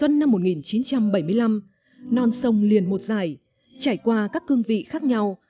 năm một nghìn chín trăm bảy mươi năm non sông liền một dài trải qua các cương vị khác nhau